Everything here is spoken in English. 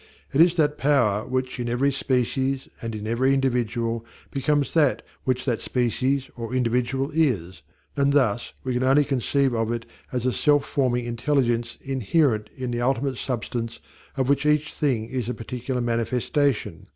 It is that power which, in every species and in every individual, becomes that which that species or individual is; and thus we can only conceive of it as a self forming intelligence inherent in the ultimate substance of which each thing is a particular manifestation.